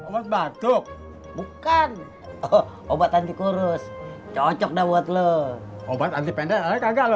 obat batuk bukan obat anti kurus cocok da buat lo obat anti peder kagak lo